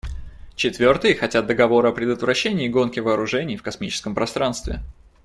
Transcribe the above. Четвертые хотят договора о предотвращении гонки вооружений в космическом пространстве.